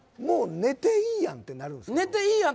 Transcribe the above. もう寝ていいやんってなるでしょ？